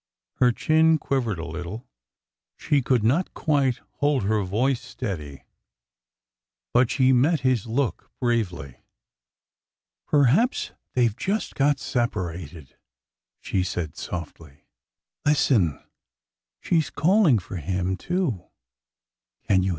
Her chin quivered a little— she could not quite hold her voice steady, but she met his look bravely. " Perhaps— they Ve just— got separated,'' she said softly. Listen ! She 's calling for him, too !